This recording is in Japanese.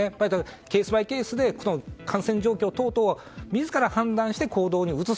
ケースバイケースで感染状況等々を自ら判断して行動に移す。